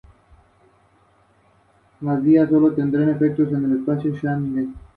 La bráctea se utiliza como un cuenco para la alimentación de los cerdos.